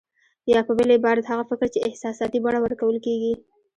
يا په بل عبارت هغه فکر چې احساساتي بڼه ورکول کېږي.